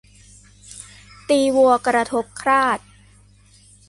ตีวัวกระทบคราด